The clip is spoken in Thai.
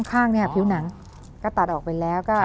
ข้างผิวหนังก็ตัดออกไปแล้ว